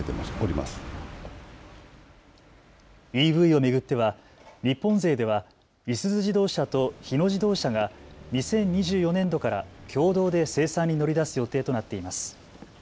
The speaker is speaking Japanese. ＥＶを巡っては日本勢ではいすゞ自動車と日野自動車が２０２４年度から共同で生産に乗り出す予定となっています。